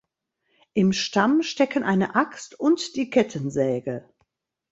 Im Stamm stecken eine Axt und die Kettensäge.